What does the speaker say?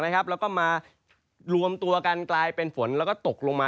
แล้วก็มารวมตัวกันกลายเป็นฝนแล้วก็ตกลงมา